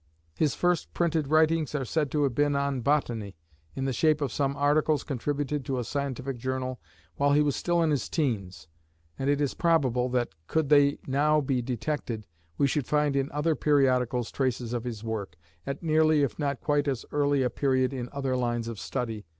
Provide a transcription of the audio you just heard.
His first printed writings are said to have been on botany, in the shape of some articles contributed to a scientific journal while he was still in his teens, and it is probable, that, could they now be detected, we should find in other periodicals traces of his work, at nearly if not quite as early a period in other lines of study.